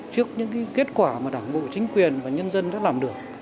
trước những kết quả mà đảng bộ chính quyền và nhân dân đã làm được